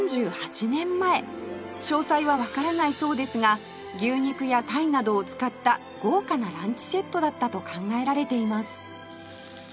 詳細はわからないそうですが牛肉や鯛などを使った豪華なランチセットだったと考えられています